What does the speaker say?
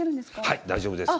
はい、大丈夫です。